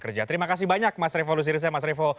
terima kasih banyak mas revo lusirisnya mas revo